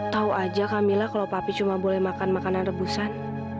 tahu aja camilla kalau papi cuma boleh makan makanan rebusan